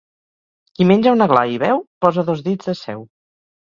Qui menja un aglà i beu, posa dos dits de seu.